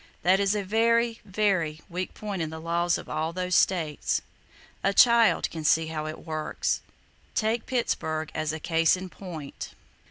That is a very, very weak point in the laws of all those states. A child can see how it works. Take Pittsburgh as a case in point.